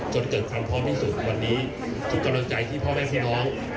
จนเกิดความพร้อมที่สุดวันนี้ทุกกำลังใจที่พ่อแม่พี่น้อง